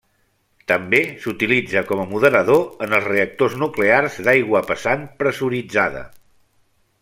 També s'utilitza com a moderador en els reactors nuclears d'aigua pesant pressuritzada.